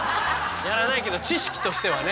やらないけど知識としてはね。